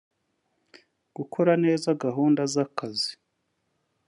gukora neza gahunda z’akazi